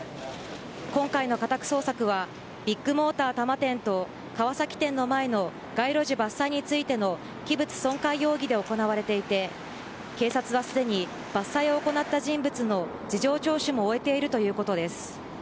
今回の家宅捜索はビッグモーター多摩店と川崎店の前の街路樹伐採についての器物損壊容疑で行われていて警察は、すでに伐採を行った人物の事情聴取も終えているということです。